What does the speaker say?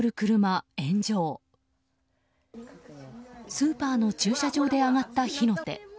スーパーの駐車場で上がった火の手。